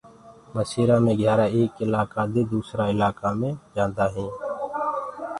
ٻيسرآ مي گھيآرآ ايڪ الآڪآ دي دوسرآ هينٚ۔